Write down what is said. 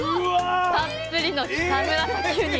たっぷりのキタムラサキウニ！